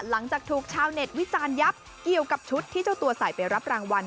หลังจากถูกชาวเน็ตวิจารณ์ยับเกี่ยวกับชุดที่เจ้าตัวใส่ไปรับรางวัล